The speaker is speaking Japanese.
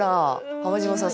浜島さん